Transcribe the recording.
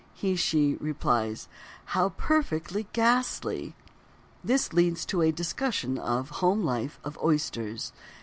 She (he) replies: "How perfectly ghastly." This leads to a discussion of: Home Life of Oysters.